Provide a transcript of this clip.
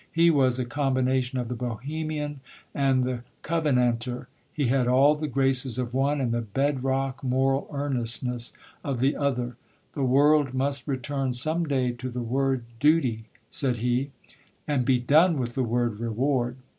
He was a combination of the Bohemian and the Covenanter; he had all the graces of one, and the bed rock moral earnestness of the other. "The world must return some day to the word 'duty,'" said he, "and be done with the word 'reward.'"